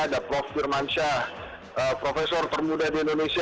ada prof firman shah profesor termuda di indonesia